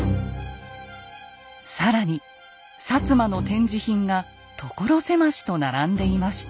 更に摩の展示品が所狭しと並んでいました。